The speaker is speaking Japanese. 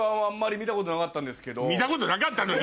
見たことなかったのに。